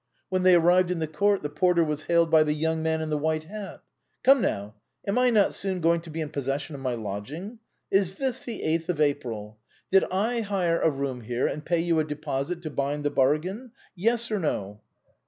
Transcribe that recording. When they arrived in the court the porter was hailed by the young man in the white hat. " Come, now ! am I not soon going to be put in possession of my lodging ? Is this the eighth of April ? Did I hire a room here and pay you a deposit to bind the bargain ? Yes or no